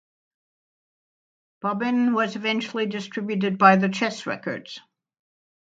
Bobbin was eventually distributed by the Chess Records.